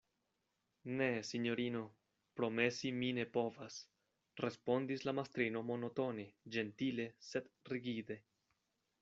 Ne, sinjorino, promesi mi ne povas, respondis la mastrino monotone, ĝentile, sed rigide.